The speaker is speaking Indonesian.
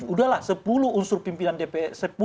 udah lah sepuluh unsur pimpinan dpr